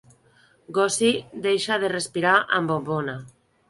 Gosi deixar de respirar amb bombona.